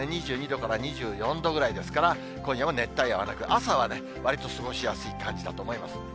２２度から２４度ぐらいですから、今夜も熱帯夜はなく、朝はね、わりと過ごしやすい感じだと思います。